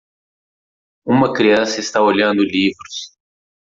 Uma criança está olhando livros.